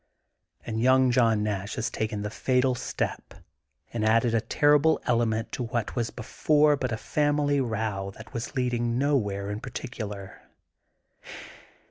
'* And y oimg John Nash has taken the fatal step and added a terrible ele ment to what was before but a family row that was leading nowhere in particular.